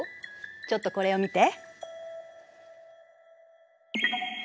ちょっとこれを見て。